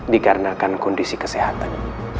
dikarenakan kondisi kesehatan